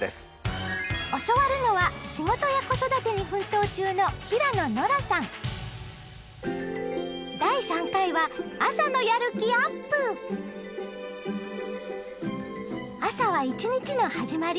教わるのは仕事や子育てに奮闘中の朝は一日の始まり。